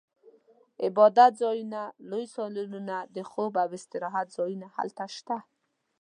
عبادتځایونه، لوی سالونونه، د خوب او استراحت ځایونه هلته شته.